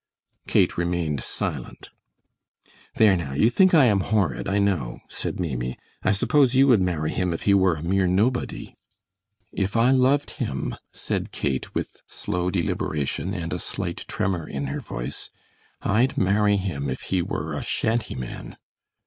Kate remained silent. "There now, you think I am horrid, I know," said Maimie. "I suppose you would marry him if he were a mere nobody!" "If I loved him," said Kate, with slow deliberation, and a slight tremor in her voice, "I'd marry him if he were a shantyman!"